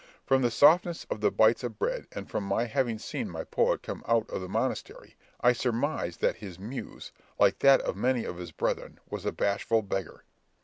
From the softness of the bits of bread, and my having seen my poet come out of the monastery, I surmised that his muse, like that of many of his brethren, was a bashful beggar.